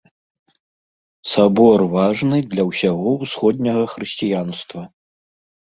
Сабор важны для ўсяго ўсходняга хрысціянства.